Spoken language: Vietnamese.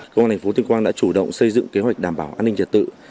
công an thành phố tuyên quang đã chủ động xây dựng kế hoạch đảm bảo an ninh trật tự